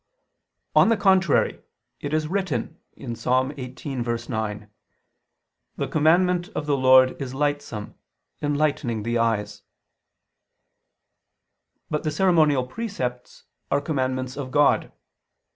On the contrary, It is written (Ps. 18:9): "The commandment of the Lord is lightsome, enlightening the eyes." But the ceremonial precepts are commandments of God.